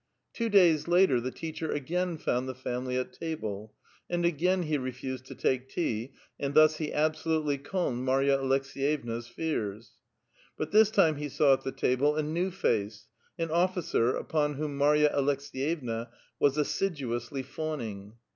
Two days lattT the teacher again found the family at table, and agnin he refused to take tea, and thus he absolutely calmed Marva Aleksi^'vovna's fears. But this time he saw at the table a new face, — an officer, upon whom Marya Aleks^.vevna was assiduously fawning.